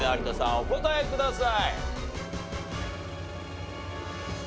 お答えください。